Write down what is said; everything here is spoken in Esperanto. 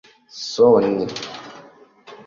soni